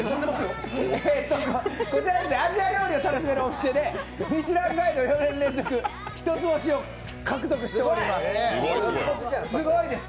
アジア料理を楽しめるお店でミシュランガイド４年連続、一ツ星を獲得しております。